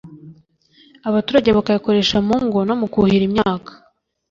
abaturage bakayakoresha mu ngo no mu kuhira imyaka